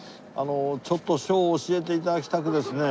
ちょっと書を教えて頂きたくですね。